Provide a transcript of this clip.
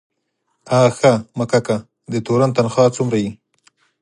آ ښه مککه، د تورن تنخواه څومره وي؟